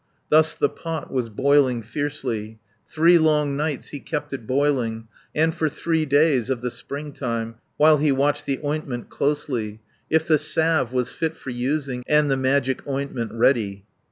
Thus the pot was boiling fiercely, Three long nights he kept it boiling, And for three days of the springtime, While he watched the ointment closely, 450 If the salve was fit for using, And the magic ointment ready.